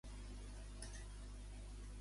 Quins valors representen els llaços grocs?